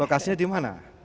lokasinya di mana